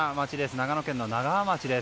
長野県の長和町です。